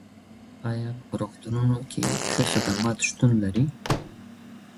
ايا په روغتونونو کي ښه خدمات شتون لري؟